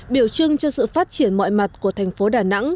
biểu trưng cho sự phát triển mọi mặt của thành phố đà nẵng